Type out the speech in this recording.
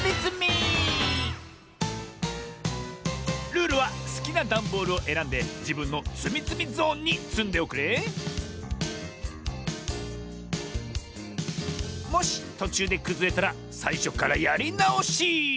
ルールはすきなダンボールをえらんでじぶんのつみつみゾーンにつんでおくれもしとちゅうでくずれたらさいしょからやりなおし。